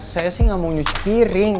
saya sih gak mau cuci piring